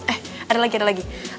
eh ada lagi ada lagi